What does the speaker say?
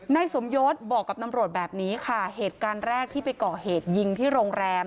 นายสมยศบอกกับตำรวจแบบนี้ค่ะเหตุการณ์แรกที่ไปก่อเหตุยิงที่โรงแรม